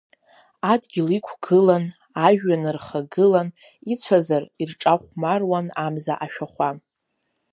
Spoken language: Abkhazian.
Адгьыл иқәгылан, ажәҩан рхагылан, ицәазар, ирҿахәмаруан амза ашәахәа.